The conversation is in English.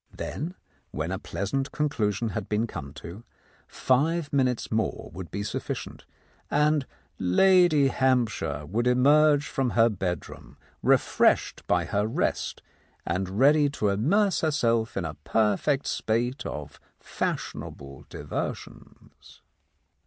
Then, when a pleasant conclusion had been come to, five minutes more would be sufficient, and Lady Hamp shire would emerge from her bedroom refreshed by her rest, and ready to immerse herself in a perfect spate of fashionable diversions.